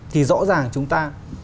thì rõ ràng chúng ta